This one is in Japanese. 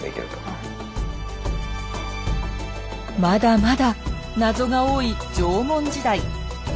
まだまだ謎が多い縄文時代。